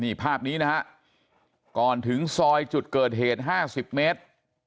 นี่ภาพนี้นะฮะก่อนถึงซอยจุดเกิดเหตุ๕๐เมตร